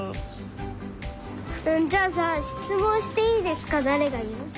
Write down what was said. じゃあさ「しつもんしていいですか」だれがいう？